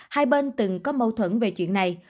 hai bên từng có mâu thuẫn về chuyện này